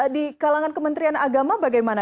di kalangan kementerian agama bagaimana